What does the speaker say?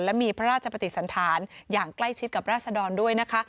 และมีพระราชปฏิสันธารอย่างใกล้ชิดกับราษดรด้วยนะคะ